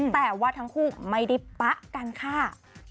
แต่ว่าทั้งคู่ไม่ได้ปะกันค่ะ